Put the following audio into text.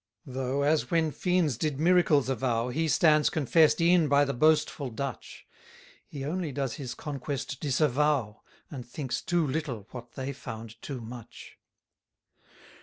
137 Though, as when fiends did miracles avow, He stands confess'd e'en by the boastful Dutch: He only does his conquest disavow, And thinks too little what they found too much.